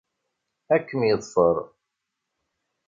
Ad kem-yeḍfer.